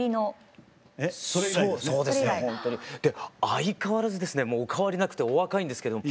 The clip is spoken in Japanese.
相変わらずですねもうお変わりなくてお若いんですけども。